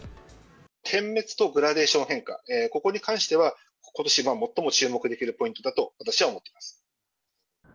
点滅とグラデーション変化、ここに関しては、ことし最も注目できるポイントだと私は思っています。